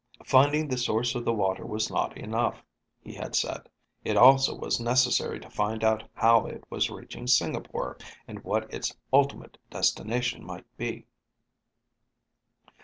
Finding the source of the water was not enough, he had said. It also was necessary to find out how it was reaching Singapore, and what its ultimate destination might be.